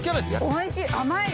おいしい。